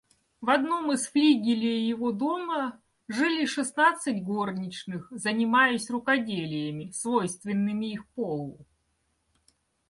В одном из флигелей его дома жили шестнадцать горничных, занимаясь рукоделиями, свойственными их полу.